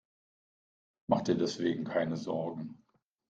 Mach dir deswegen keine Sorgen.